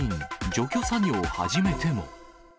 除去作業始めても。